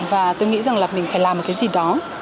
và tôi nghĩ rằng là mình phải làm một cái gì đó